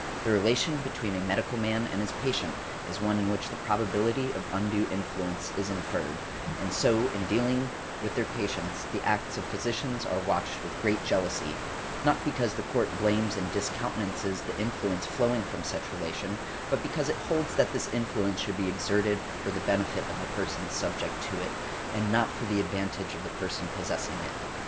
The relation between a medical man and his patient is one in which the probability of undue influence is inferred; |139| and so in dealings with their patients the acts of physicians are watched with great jealousy; not because the Court blames and discountenances the influence flowing from such relation, but because it holds that this influence should be exerted for the benefit of the person subject to it, and not for the advantage of the person possessing it .